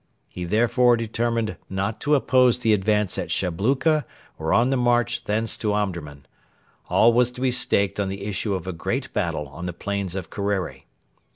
He therefore determined not to oppose the advance at the Shabluka or on the march thence to Omdurman. All was to be staked on the issue of a great battle on the plains of Kerreri.